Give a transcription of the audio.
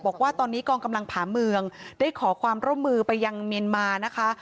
บอกว่าตอนนี้กองกำลังผ่าเมืองได้ขอความร่วมมือไปยังเมียนมานะคะ